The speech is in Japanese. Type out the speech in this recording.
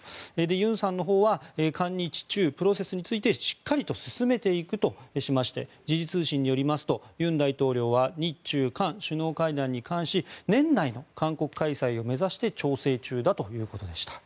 尹さんのほうは韓日中プロセスについてしっかり進めていくと話しまして時事通信によりますと尹大統領は日中韓首脳会談に関し年内の韓国開催を目指し調整中だということでした。